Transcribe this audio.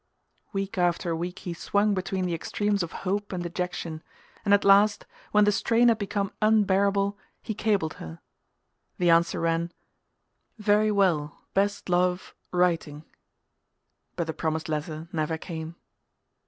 Week after week he swung between the extremes of hope and dejection, and at last, when the strain had become unbearable, he cabled her. The answer ran: "Very well best love writing"; but the promised letter never came....